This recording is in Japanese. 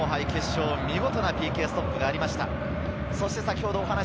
天皇杯の決勝、見事なゴールストップがありました。